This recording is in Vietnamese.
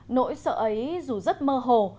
nỗi sợ ấy dù rất mơ hồ